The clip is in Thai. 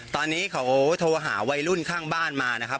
ตอนนี้เขาโทรหาวัยรุ่นข้างบ้านมานะครับ